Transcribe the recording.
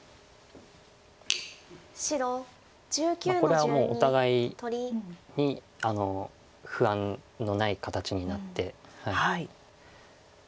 これはもうお互いに不安のない形になって。